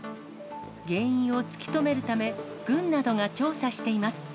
原因を突き止めるため、軍などが調査しています。